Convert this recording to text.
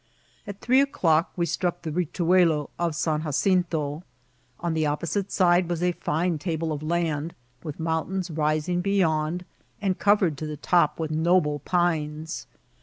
At three o'clock we struck the rituello of San Jacin to. On the opposite side was a fine table of land, with mountains rising beyond, and cov^ed to the top with noble pines.